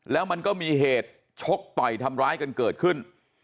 แล้วมันก็มีเหตุชกต่อยทำร้ายกันเกิดขึ้น